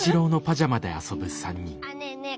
ねえねえ